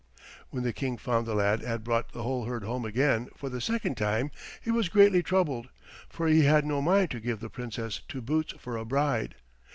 When the King found the lad had brought the whole herd home again for the second time he was greatly troubled, for he had no mind to give the Princess to Boots for a bride.